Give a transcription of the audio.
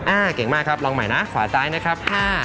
เก่งมากครับลองใหม่นะขวาซ้ายนะครับ